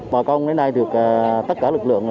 bà con đến nay được tất cả lực lượng